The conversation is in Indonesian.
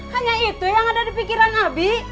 hanya itu yang ada di pikiran nabi